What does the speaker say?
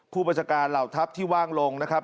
ผู้บัญชาการเหล่าทัพที่ว่างลงนะครับ